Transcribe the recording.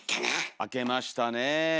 明けましたねえ。